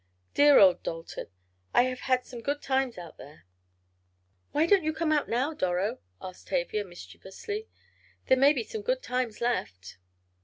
"Dear old Dalton! I have had some good times out there!" "Why don't you come out now, Doro?" asked Tavia, mischievously. "There may be some good times left."